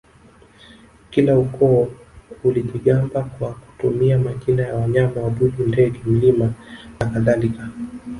Kila ukoo ulijigamba kwa kutumia majina ya wanyama wadudu ndege milima na kadhalika